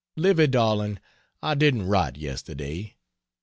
Livy darling, I didn't write yesterday.